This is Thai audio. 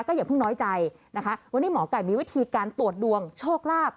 อย่าเพิ่งน้อยใจนะคะวันนี้หมอไก่มีวิธีการตรวจดวงโชคลาภ